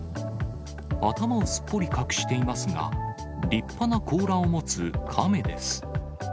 頭をすっぽり隠していますが、立派な甲羅を持つカメです。